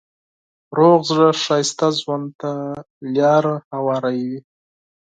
روغ زړه ښایسته ژوند ته لاره هواروي.